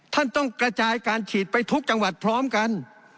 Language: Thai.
ท่านต้องกระจายการฉีดไปทุกจังหวัดพร้อมกัน